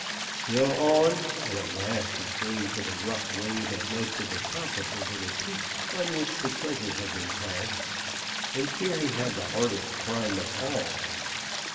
Still on, and at last he came to the rough way that led to the top of the little peak on which the treasure had been cached, and here he had the hardest climb of all.